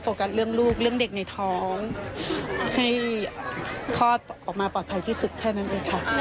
กัสเรื่องลูกเรื่องเด็กในท้องให้คลอดออกมาปลอดภัยที่สุดแค่นั้นเองค่ะ